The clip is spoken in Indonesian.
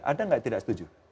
ada nggak yang tidak setuju